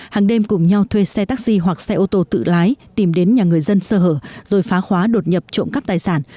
hàng đêm cùng nhau thuê xe taxi hoặc xe ô tô tự lái tìm đến nhà người dân sơ hở rồi phá khóa đột nhập trộm cắp tài sản